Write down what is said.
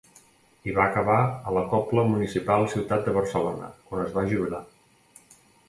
I va acabar a la Cobla Municipal Ciutat de Barcelona, on es va jubilar.